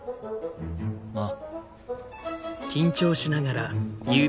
ああ。